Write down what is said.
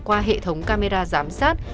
qua hệ thống camera giám sát